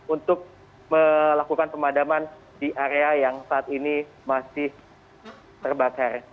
untuk melakukan pemadaman di area yang saat ini masih terbakar